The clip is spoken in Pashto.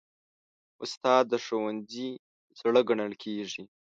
استاد د ښوونځي زړه ګڼل کېږي.